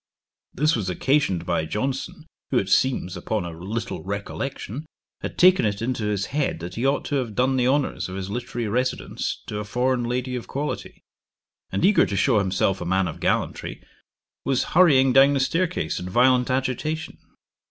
This was occasioned by Johnson, who it seems, upon a little recollection, had taken it into his head that he ought to have done the honours of his literary residence to a foreign lady of quality, and eager to shew himself a man of gallantry, was hurrying down the stair case in violent agitation.